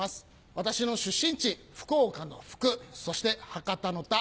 私の出身地福岡の「福」そして博多の「多」。